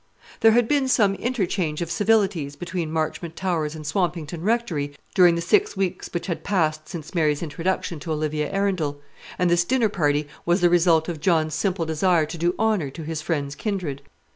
There had been some interchange of civilities between Marchmont Towers and Swampington Rectory during the six weeks which had passed since Mary's introduction to Olivia Arundel; and this dinner party was the result of John's simple desire to do honour to his friend's kindred.